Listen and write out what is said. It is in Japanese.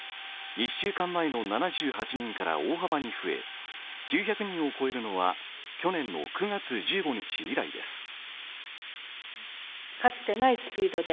１週間前の７８人から大幅に増え、９００人を超えるのは去年の９月１５日以来です。